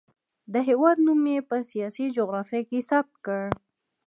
د هېواد نوم یې په سیاسي جغرافیه کې ثبت کړ.